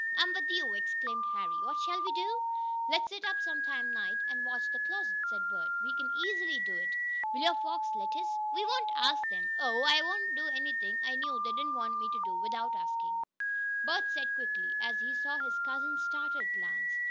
"I'm with you!" exclaimed Harry. "What shall we do?" "Let's sit up some night and watch that closet," said Bert. "We can easily do it." "Will your folks let us?" "We won't ask them. Oh, I wouldn't do anything I knew they didn't want me to do without asking," Bert said quickly, as he saw his cousin's startled glance.